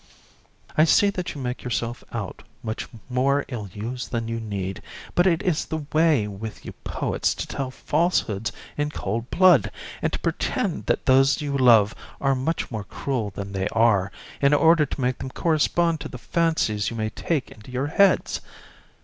JU. I see that you make yourself out much more ill used than you need; but it is the way with you poets to tell falsehoods in cold blood, and to pretend that those you love are much more cruel than they are, in order to make them correspond to the fancies you may take into your heads.